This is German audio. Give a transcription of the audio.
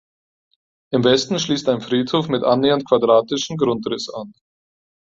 Im Westen schließt ein Friedhof mit annähernd quadratischen Grundriss an.